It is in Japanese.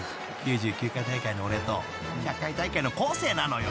［９９回大会の俺と１００回大会の輝星なのよ］